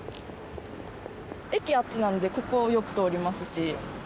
駅あっちなんでここよく通りますし。